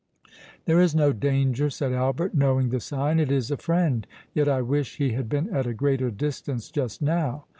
"There is no danger," said Albert, knowing the sign—"it is a friend;—yet I wish he had been at a greater distance just now."